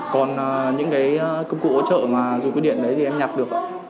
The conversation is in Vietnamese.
còn những công cụ ổ trợ dùng quy định đấy thì em nhặt được